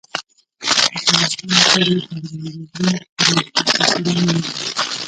افغانستان کې د پابندي غرونو د پرمختګ هڅې روانې دي.